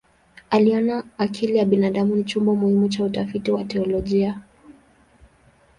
Aliona akili ya binadamu ni chombo muhimu cha utafiti wa teolojia.